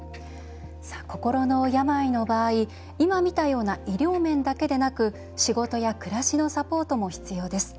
心の病の場合今、見たような医療面だけでなく仕事や暮らしのサポートも必要です。